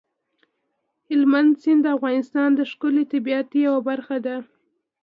هلمند سیند د افغانستان د ښکلي طبیعت یوه برخه ده.